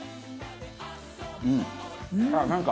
うん！